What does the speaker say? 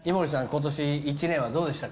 今年一年はどうでしたか？